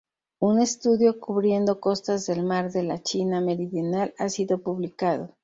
Un estudio cubriendo costas del Mar de la China Meridional ha sido publicado.